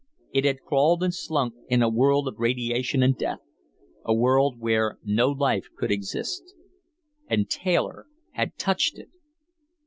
It had crawled and slunk in a world of radiation and death, a world where no life could exist. And Taylor had touched it!